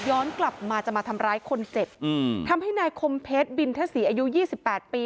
ย้อนกลับมาจะมาทำร้ายคนเจ็บอืมทำให้นายคมเพชรบินทศรีอายุยี่สิบแปดปี